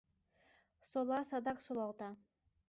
Сола садак солалта.